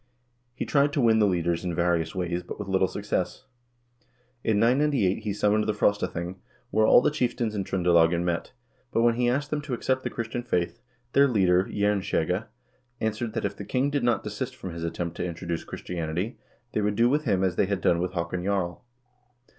He tried to win the leaders in various ways, but with little success. In 998 he summoned the Frostathing, where all the chieftains in Tr0ndelagen met, but when he asked them to accept the Christian faith, their leader, Jernskjegge, answered that if the king did not desist from his attempt to introduce Chris tianity, they would do with him as they had done with Haakon Jarl.